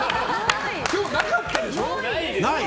今日なかったでしょ。